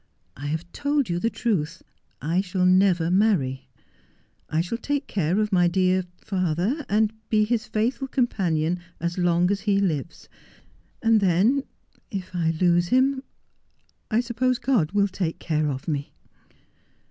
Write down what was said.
' I have told you the truth. I shall never marry. I shall take care of my dear — father — and be his faithful companion as long as he lives — and then — if — I lose him — I suppose God will take care of me.'